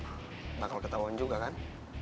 kalo dia kesana lu bakal ketauan juga kan